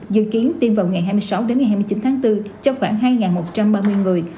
dự kiến tiêm vào ngày hai mươi sáu đến ngày hai mươi chín tháng bốn cho khoảng hai một trăm ba mươi người